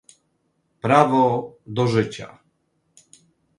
prawo do życia